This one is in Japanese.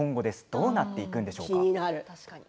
どうなっていくんでしょうか。